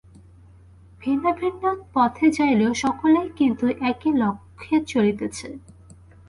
ভিন্ন ভিন্ন পথে যাইলেও সকলেই কিন্তু একই লক্ষ্যে চলিতেছে।